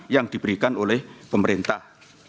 yang diberikan oleh pemerintah